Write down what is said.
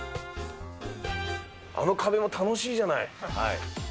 あの壁も楽しいじゃない。